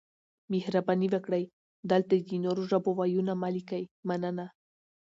مهرباني وکړئ دلته د نورو ژبو وييونه مه لیکئ مننه